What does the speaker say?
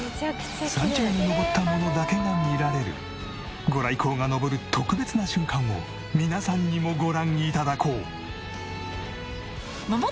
山頂に登った者だけが見られる御来光が昇る特別な瞬間を皆さんにもご覧頂こう。